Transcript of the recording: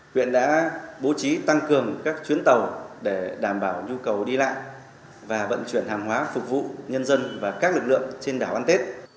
huyện đã bố trí tăng cường các chuyến tàu để đảm bảo nhu cầu đi lại và vận chuyển hàng hóa phục vụ nhân dân và các lực lượng trên đảo ăn tết